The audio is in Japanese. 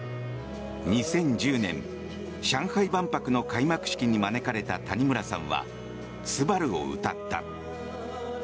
２０１０年、上海万博の開幕式に招かれた谷村さんは「昴−すばるー」を歌った。